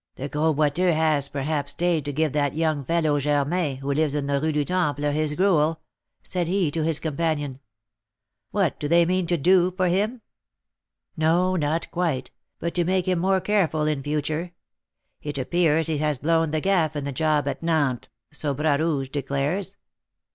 "The Gros Boiteux has, perhaps, stayed to give that young fellow Germain, who lives in the Rue du Temple, his gruel," said he, to his companion. "What, do they mean to do for him?" "No, not quite, but to make him more careful in future. It appears he has 'blown the gaff' in the job at Nantes, so Bras Rouge declares."